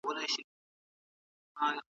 که نجونې ناروغ وساتي نو درمل به نه وي هیر.